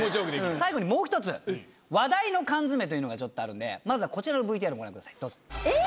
最後にもう１つ話題の缶詰というのがちょっとあるんでまずはこちらのＶＴＲをご覧くださいどうぞ！えっ！